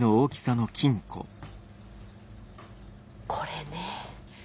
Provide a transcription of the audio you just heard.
これね